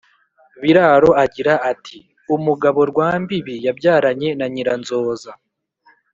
biraro agira ati: “umugabo rwambibi yabyaranye na nyiranzoza